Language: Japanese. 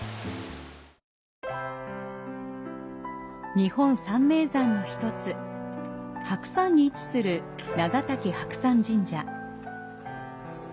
日本三名山の１つ白山に位置する長滝白山神社。